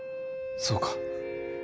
そうか。